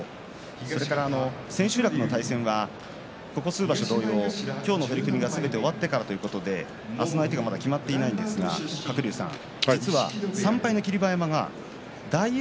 それから千秋楽の対戦はここ数場所、同様今日の取組がすべて終わってからということで明日の相手がまだ決まっていないんですが鶴竜さん実は３敗の霧馬山が大栄